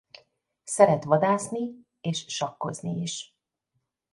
Szeret vadászni és sakkozni is.